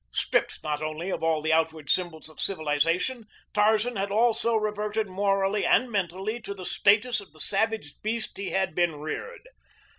Stripped not only of all the outward symbols of civilization, Tarzan had also reverted morally and mentally to the status of the savage beast he had been reared.